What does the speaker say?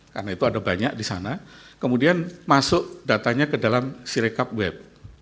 karena itu ada banyak di sana kemudian masuk datanya ke dalam sirekap web